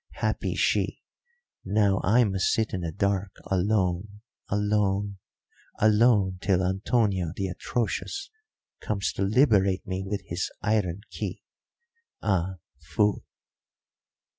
Happy she! Now I must sit in the dark alone, alone, alone, till Antonio, the atrocious, comes to liberate me with his iron key ah, fool!"